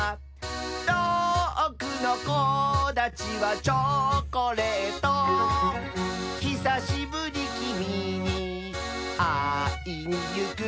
「とおくのこだちはチョコレート」「ひさしぶりきみにあいにゆく」